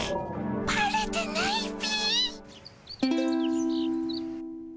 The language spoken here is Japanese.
バレてないっピ？